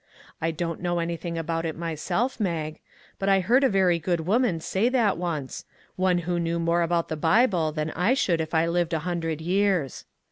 I don't know anything about it myself, Mag, but I heard a very good woman say that once one who knew more about the Bible than I should if I lived a hundred years."